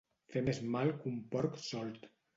Fer més mal que un porc solt.